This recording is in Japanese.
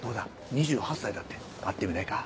２８歳だって会ってみないか？